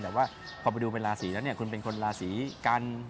แต่ว่าพอไปดูเป็นราศีแล้วเนี่ยคุณเป็นคนราศีกัน